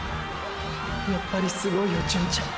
やっぱりすごいよ純ちゃん！！